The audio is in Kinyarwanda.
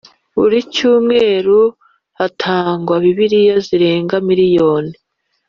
Buri cyumweru hatangwa Bibiliya zisaga miriyoni